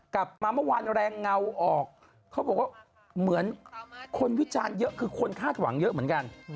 กลับมาเมื่อวานแรงเงาออกเขาบอกว่าเหมือนคนวิจารณ์เยอะคือคนคาดหวังเยอะเหมือนกัน